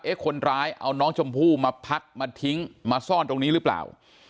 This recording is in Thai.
คนร้ายเอาน้องชมพู่มาพักมาทิ้งมาซ่อนตรงนี้หรือเปล่า